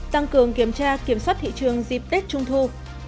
tăng cường kiểm tra kiểm soát thị trường dịp tết trung thu